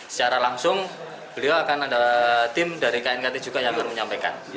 secara langsung beliau akan ada tim dari knkt juga yang akan menyampaikan